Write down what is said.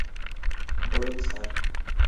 বলুন, স্যার।